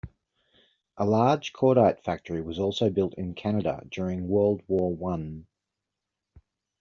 A large cordite factory was also built in Canada during World War One.